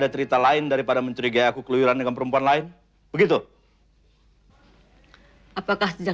terusan dari turunannya